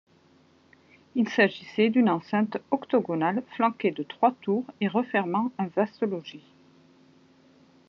Il s'agissait d'une enceinte octogonale flanquée de trois tours et refermant un vaste logis.